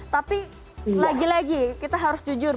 tapi lagi lagi kita harus jujur